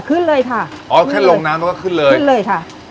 ขึ้นเลยค่ะอ๋อแค่ลงน้ำแล้วก็ขึ้นเลยขึ้นเลยค่ะ